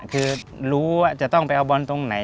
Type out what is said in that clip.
คือรู้ว่าจะต้องไปเอาบอลตรงไหน